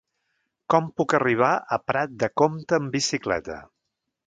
Com puc arribar a Prat de Comte amb bicicleta?